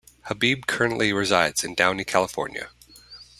Habib currently resides in Downey, California.